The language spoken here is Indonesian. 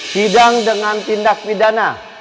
sidang dengan tindak pidana